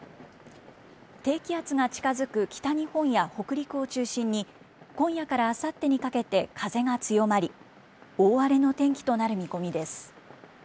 低気圧が近づく北日本や北陸を中心に、今夜からあさってにかけて風が強まり、大荒れの天気となる見込みです。